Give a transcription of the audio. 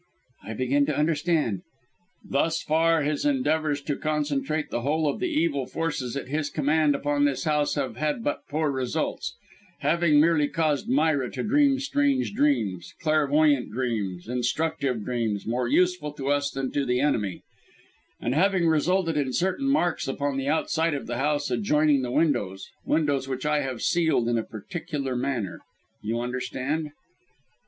"I begin to understand!" "Thus far, his endeavours to concentrate the whole of the evil forces at his command upon this house have had but poor results: having merely caused Myra to dream strange dreams clairvoyant dreams, instructive dreams, more useful to us than to the enemy; and having resulted in certain marks upon the outside of the house adjoining the windows windows which I have sealed in a particular manner. You understand?"